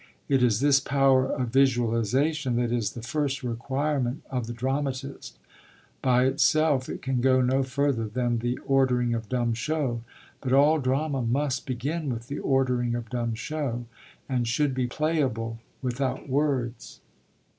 It is this power of visualisation that is the first requirement of the dramatist; by itself it can go no further than the ordering of dumb show; but all drama must begin with the ordering of dumb show, and should be playable without words.